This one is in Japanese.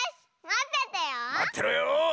まってろよ！